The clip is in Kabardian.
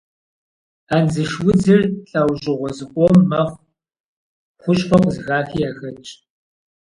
Андзыш удзыр лӏэужьыгъуэ зыкъом мэхъу, хущхъуэ къызыхахи яхэтщ.